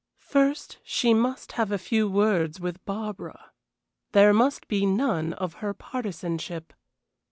First she must have a few words with Barbara. There must be none of her partisanship.